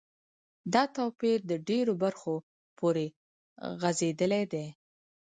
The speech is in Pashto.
دا توپیر د ډیرو برخو پوری غځیدلی دی.